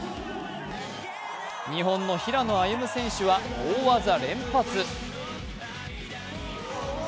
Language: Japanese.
日本の平野歩夢選手は大技連発。